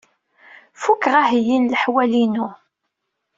Fukeɣ aheyyi n leḥwal-inu.